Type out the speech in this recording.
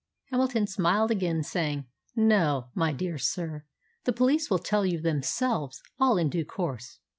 Hamilton smiled again, saying, "No, my dear sir, the police will tell you themselves all in due course.